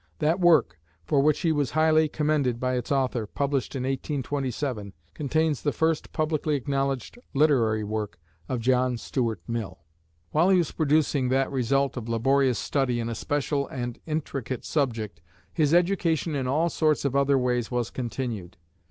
That work, for which he was highly commended by its author, published in 1827, contains the first publicly acknowledged literary work of John Stuart Mill. While he was producing that result of laborious study in a special and intricate subject, his education in all sorts of other ways was continued.